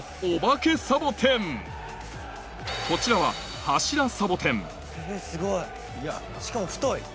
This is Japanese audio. こちらはすごいしかも太い！